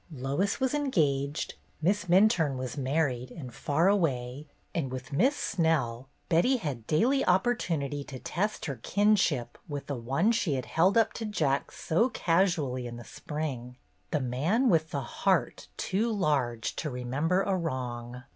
Lois was engaged, Miss Minturne was married and far away; and with Miss Snell, Betty had daily opportunity to test her kinship with the one she had held up to Jack so casually in the spring, the man with the heart too large to remember a wrong.